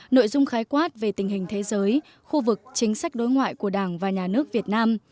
nội dung khái quát về tình hình thế giới khu vực chính sách đối ngoại của đảng và nhà nước việt nam